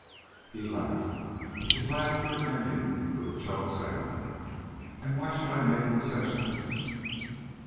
He laughed, his laughter ending with a choked sound. "And why should I make concessions?"